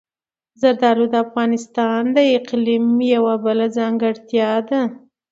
زردالو د افغانستان د اقلیم یوه بله ځانګړتیا ده.